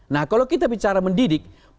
nah kalau kita bicara mendidik